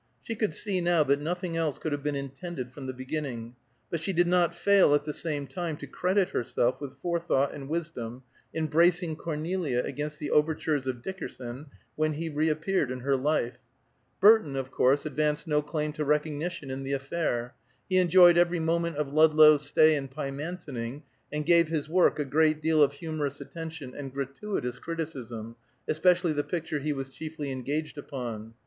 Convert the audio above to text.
She could see, now, that nothing else could have been intended from the beginning, but she did not fail at the same time to credit herself with forethought and wisdom in bracing Cornelia against the overtures of Dickerson when he reappeared in her life. Burton, of course, advanced no claim to recognition in the affair. He enjoyed every moment of Ludlow's stay in Pymantoning, and gave his work a great deal of humorous attention and gratuitous criticism, especially the picture he was chiefly engaged upon.